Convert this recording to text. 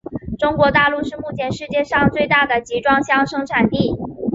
中国大陆是目前世界上最大的集装箱生产地。